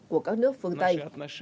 của các nước phương tây